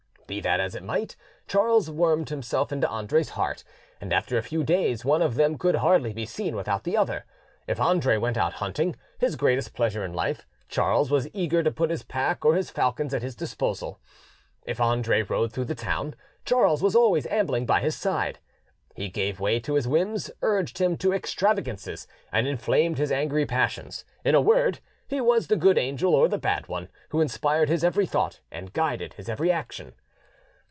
Be that as it might, Charles wormed himself into Andre's heart, and after a few days one of them could hardly be seen without the other. If Andre went out hunting, his greatest pleasure in life, Charles was eager to put his pack or his falcons at his disposal; if Andre rode through the town, Charles was always ambling by his side. He gave way to his whims, urged him to extravagances, and inflamed his angry passions: in a word, he was the good angel—or the bad one—who inspired his every thought and guided his every action.